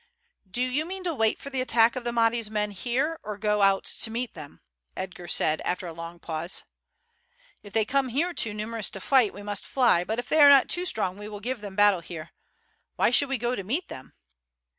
"Do you mean to wait for the attack of the Mahdi's men here or to go to meet them?" Edgar asked after a long pause. "If they come here too numerous to fight we must fly; but if they are not too strong we will give them battle here. Why should we go to meet them?"